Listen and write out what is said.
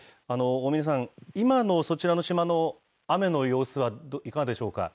大嶺さん、今のそちらの島の雨の様子はいかがでしょうか。